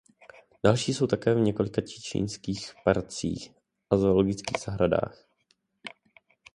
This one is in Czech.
Další jsou také v několika čínských parcích a zoologických zahradách.